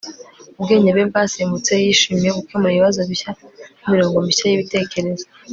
Ubwenge bwe bwasimbutse yishimiye gukemura ibibazo bishya nimirongo mishya yibitekerezo